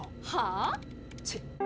はあ？